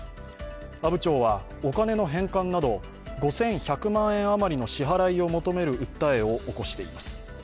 阿武町はお金の返還など５１００万円余りの支払いを求める訴えを起こしています。